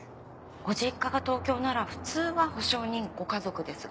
ご実家が東京なら普通は保証人ご家族ですが。